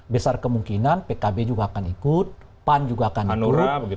besar kemungkinan pkb juga akan ikut pan juga akan ikut